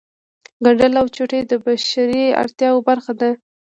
ګنډل او چوټې د بشري اړتیاوو برخه ده